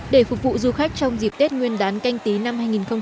để phục vụ du khách trong dịp tết nguyên đán canh tí năm hai nghìn hai mươi